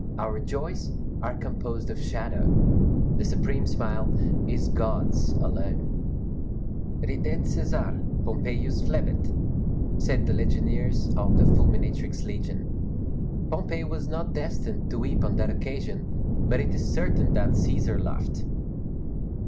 Our joys are composed of shadow. The supreme smile is God's alone. Ridet Cæsar, Pompeius flebit, said the legionaries of the Fulminatrix Legion. Pompey was not destined to weep on that occasion, but it is certain that Cæsar laughed.